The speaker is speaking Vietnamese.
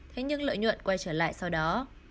thế nhưng lợi nhuận quay trở lại sau đó